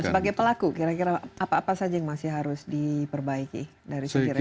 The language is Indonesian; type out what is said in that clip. sebagai pelaku kira kira apa apa saja yang masih harus diperbaiki dari segi regulasi